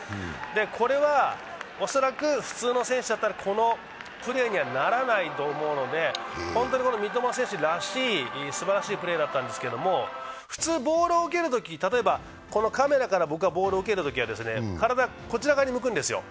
これは恐らく普通の選手だったら、このプレーにはならないと思うので、本当に三笘選手らしいすばらしいプレーだったんですけれども、普通ボールを受けるとき、カメラから僕がボールを受けるときは体はこちら側に向くんですよ。